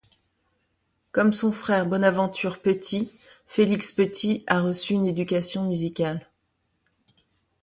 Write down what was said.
Comme son frère Bonaventure Petit, Félix Petit a reçu une éducation musicale.